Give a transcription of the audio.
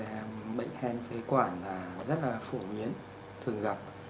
thực ra bệnh hen phế quản rất phổ biến thường gặp